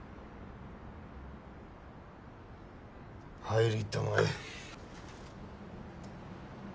入りたまえ。